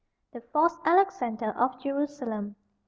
THE FALSE ALEXANDER OF JERUSALEM.